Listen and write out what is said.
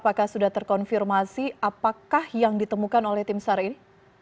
apakah sudah terkonfirmasi apakah yang ditemukan oleh tim sar ini